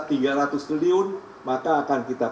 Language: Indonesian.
tiga ratus triliun maka akan kita